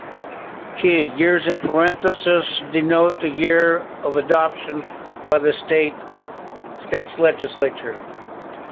Key: Years in parentheses denote the year of adoption by the state's legislature.